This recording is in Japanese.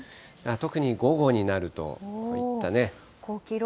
特に午後になると、こういったね。